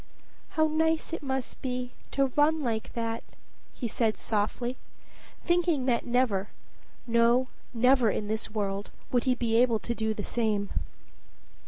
"How nice it must be to run like that!" he said softly, thinking that never no, never in this world would he be able to do the same.